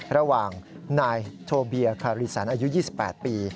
ระหว่างนายโทเบียคาริสันอายุ๒๘ปี